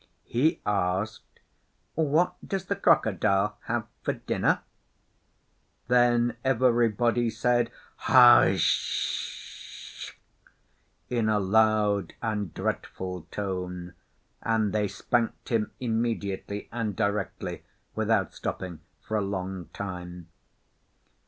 He asked, 'What does the Crocodile have for dinner?' Then everybody said, 'Hush!' in a loud and dretful tone, and they spanked him immediately and directly, without stopping, for a long time.